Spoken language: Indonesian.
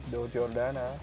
daut chino yordan ya